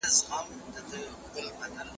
په قلم لیکنه کول د فکرونو د ساتلو خوندي لاره ده.